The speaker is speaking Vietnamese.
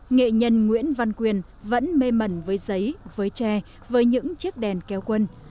nghệ nhân nguyễn văn quyền vẫn mê mẩn với giấy với tre với những chiếc đèn kéo quân